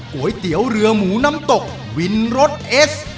ก๋วยเตี๋ยวเรือหมูน้ำตกวินรถเอส